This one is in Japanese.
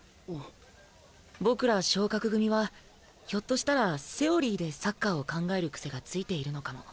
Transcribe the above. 僕ら昇格組はひょっとしたらセオリーでサッカーを考える癖がついているのかも。